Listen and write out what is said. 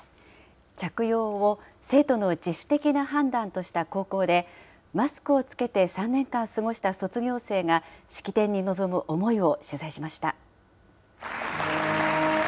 着用を生徒の自主的な判断とした高校で、マスクを着けて３年間を過ごした卒業生が、式典に臨む思いを取材しました。